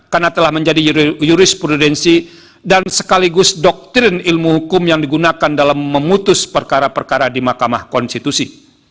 karena telah menjadi jurisprudensi dan sekaligus doktrin ilmu hukum yang digunakan dalam memutus perkara perkara di mahkamah konstitusi